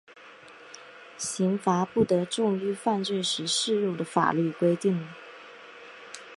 刑罚不得重于犯罪时适用的法律规定。